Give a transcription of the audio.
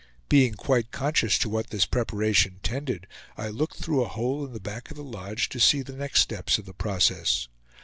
Being quite conscious to what this preparation tended, I looked through a hole in the back of the lodge to see the next steps of the process.